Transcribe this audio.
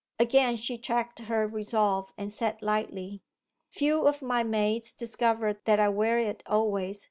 Again she checked her resolve, and said lightly 'Few of my maids discover that I wear it always.